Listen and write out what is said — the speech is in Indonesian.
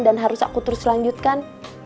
dan harus aku terus selanjutkan